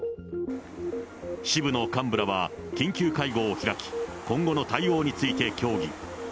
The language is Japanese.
支部の幹部らは緊急会合を開き、今後の対応について協議。